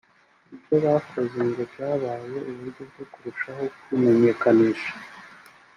Ibyo bakoze ngo byabaye uburyo bwo kurushaho kwimenyekanisha